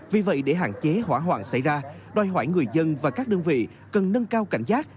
vì vậy để hạn chế hỏa hoạn xảy ra đòi hỏi người dân và các đơn vị cần nâng cao cảnh giác